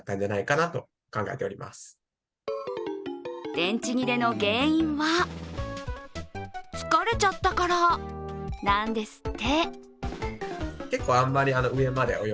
電池切れの原因は疲れちゃったから、なんですって。